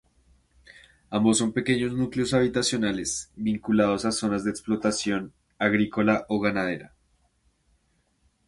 Ambos son pequeños núcleos habitacionales, vinculados a zonas de explotación agrícola o ganadera.